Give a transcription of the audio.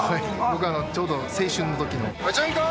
僕ちょうど青春の時の。